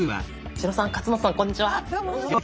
八代さん勝俣さんこんにちは。